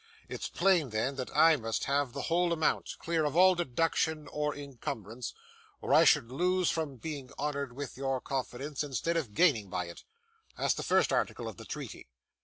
It's plain, then, that I must have the whole amount, clear of all deduction or incumbrance, or I should lose from being honoured with your confidence, instead of gaining by it. That's the first article of the treaty.